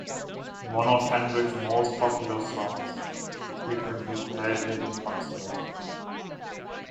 One of Hendrix's most popular songs, he frequently played it in concert.